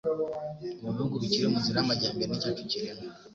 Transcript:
Mu bihugu bikiri mu nzira y'amajyambere n'icyacu kirimo,